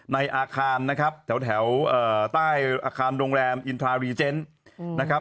ในอาคารนะครับแถวแถวเอ่อใต้อาคารโรงแรมนะครับ